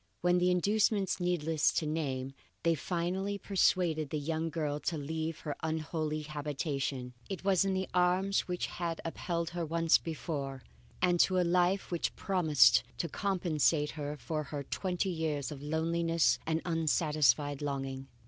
When with inducements needless to name, they finally persuaded the young girl to leave her unholy habitation, it was in the arms which had upheld her once before, and to a life which promised to compensate her for her twenty years of loneliness and unsatisfied longing.